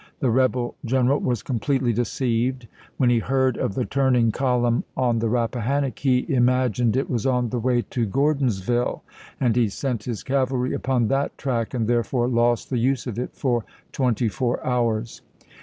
The rebel gen eral was completely deceived. When he heard of the turning column on the Rappahannock, he im agined it was on the way to G ordonsville, and he sent his cavalry upon that track and therefore lost the use of it for twenty four hours.